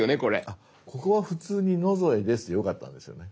あっここは普通に「野添です」でよかったんですよね。